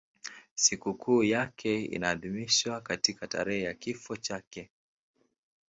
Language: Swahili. Sikukuu yake inaadhimishwa katika tarehe ya kifo chake.